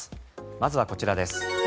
まずはこちらです。